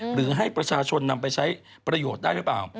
หรือให้ประชาชนนำไปใช้ประโยชน์ได้หรือเปล่า